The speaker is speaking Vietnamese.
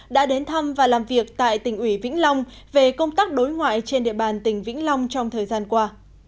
đã đến thăm và làm việc tại tỉnh ủy vĩnh long về công tác đối ngoại trên địa bàn tỉnh vĩnh long trong thời gian qua